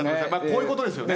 こういうことですよね。